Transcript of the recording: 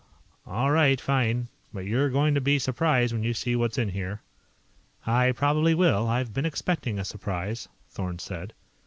"All right. Fine. But you're going to be surprised when you see what's in here." "I probably will. I've been expecting a surprise," Thorn said.